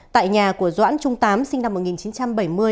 tại nhà của doãn trung tám sinh năm một nghìn chín trăm bảy mươi